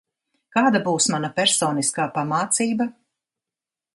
Kāda būs mana personiskā pamācība?